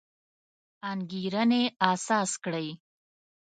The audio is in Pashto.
انګېرنې اساس کړی.